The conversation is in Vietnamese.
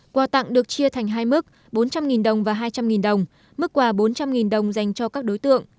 quà tặng được chia thành hai mức bốn trăm linh đồng và hai trăm linh đồng mức quà bốn trăm linh đồng dành cho các đối tượng